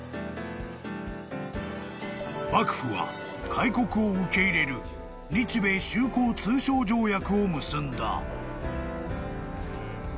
［幕府は開国を受け入れる日米修好通商条約を結んだ］